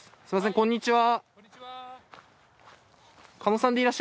こんにちは。